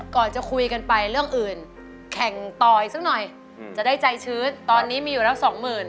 ก่อนจะคุยกันไปเรื่องอื่นแข่งตอยสักหน่อยจะได้ใจชื้นตอนนี้มีอยู่รับ๒๐๐๐๐บาท